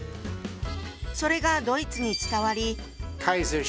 それがドイツに伝わり。